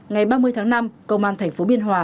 ngày ba mươi tháng năm công an tp bih